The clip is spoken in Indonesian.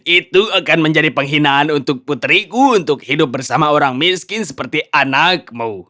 itu akan menjadi penghinaan untuk putriku untuk hidup bersama orang miskin seperti anakmu